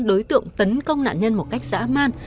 đối tượng tấn công nạn nhân một cách dã man